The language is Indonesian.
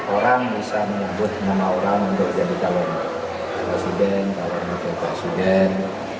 orang bisa menyebut nama orang untuk jadi talon presiden talon presiden